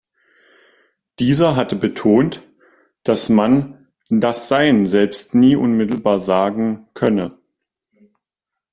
Dieser hatte betont, dass man „das Sein selbst nie unmittelbar sagen“ könne.